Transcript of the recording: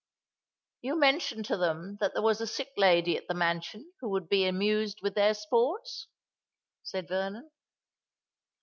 "You mentioned to them that there was a sick lady at the mansion who would be amused with their sports?" said Vernon.